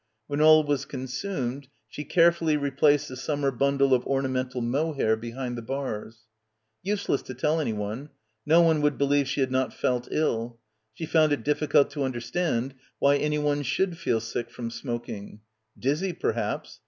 When all was consumed she carefully replaced the summer bundle of orna mental mohair behind the bars. Useless to tell anyone. No one would believe she had not felt ill. She found it difficult to understand why anyone should feel sick from smoking. Dizzy perhaps